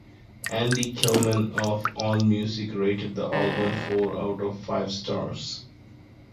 Andy Kellman of Allmusic rated the album four out of five stars.